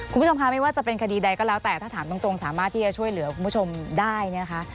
คุณผู้ชมค่ะไม่ว่าจะเป็นคดีใดก็แล้วแต่ถ้าถามตรงสามารถที่จะช่วยเหลือคุณผู้ชมได้นะคะ